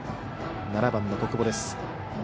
７番の小久保です。